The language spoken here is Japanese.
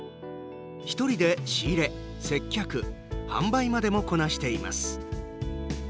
１人で仕入れ、接客、販売までもこなしています。